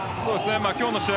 今日の試合